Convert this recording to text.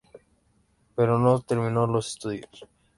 Pero no terminó los estudios.